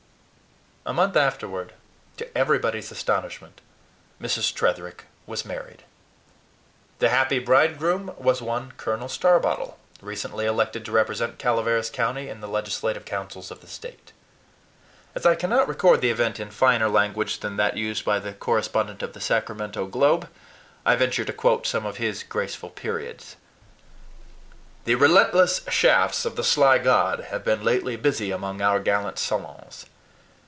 A month afterward, to everybody's astonishment, Mrs. Tretherick was married. The happy bridegroom was one Colonel Starbottle, recently elected to represent Calaveras County in the legislative councils of the State. As I cannot record the event in finer language than that used by the correspondent of THE SACRAMENTO GLOBE, I venture to quote some of his graceful periods. "The relentless shafts of the sly god have been lately busy among our gallant Solons.